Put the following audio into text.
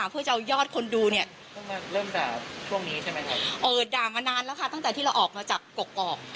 เพราะว่าพอคุณน้ำฟ้าลงบันทึกประจำวันเสร็จปุ๊บ